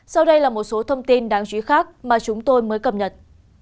sau đây là một số thông tin đáng chú ý khác mà chúng tôi mới cập nhật